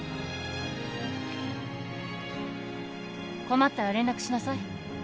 困ったら連絡しなさい。